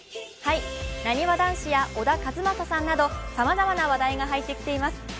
なにわ男子や小田和正さんなどさまざまな話題が入ってきています。